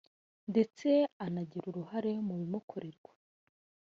ndetse anagire uruhare mu bimukorerwa